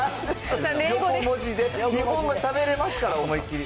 日本語しゃべれますから、おもいっきり。